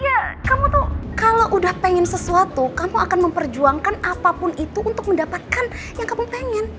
ya kamu tuh kalau udah pengen sesuatu kamu akan memperjuangkan apapun itu untuk mendapatkan yang kamu pengen